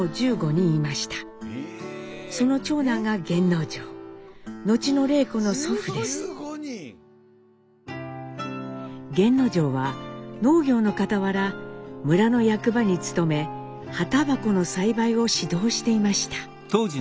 １５人⁉源之丞は農業のかたわら村の役場に勤め葉たばこの栽培を指導していました。